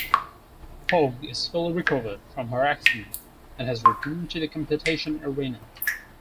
Hoag is fully recovered from her accident, and has returned to the competition arena.